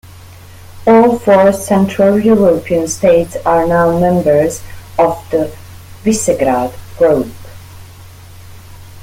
All four Central European states are now members of the Visegrad Group.